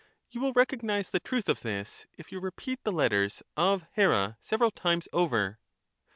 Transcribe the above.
You will recognize the truth of this if you repeat the letters of Here several times over.